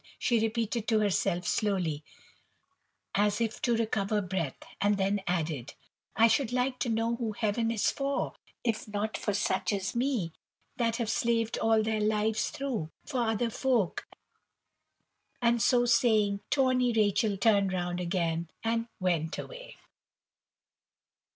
she repeated to herself slowly, as if to recover breath; and then added, "I should like to know who Heaven is for, if not for such as me, that have slaved all their lives through, for other folk;" and so saying, Tawny Rachel turned round again, and went away.